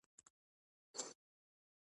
وخت د فیشن په سترګه کتل.